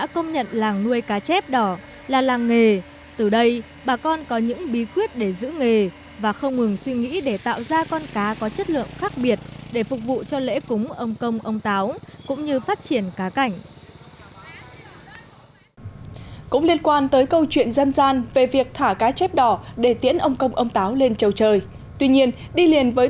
cũng liên quan tới câu chuyện dân gian về việc thả cá chép đỏ để tiễn ông công ông táo lên châu trời